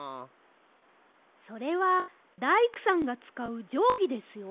それはだいくさんがつかうじょうぎですよ。